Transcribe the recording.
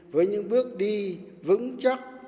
với những bước đi vững chắc